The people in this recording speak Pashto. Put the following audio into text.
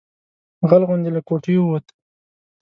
غل غوندې له کوټې ووت.